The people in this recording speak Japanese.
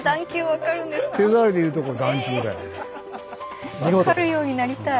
分かるようになりたい。